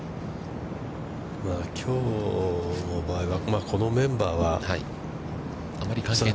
きょうの場合は、このメンバーは、これ。